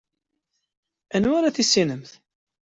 Anwa ara tissinemt?